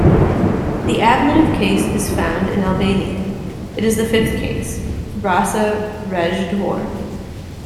The ablative case is found in Albanian; it is the fifth case, "rasa rjedhore".